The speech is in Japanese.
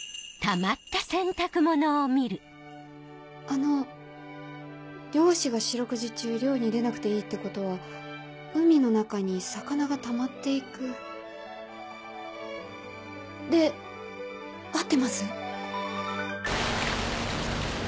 あの漁師が四六時中漁に出なくていいってことは海の中に魚がたまって行く。で合ってます？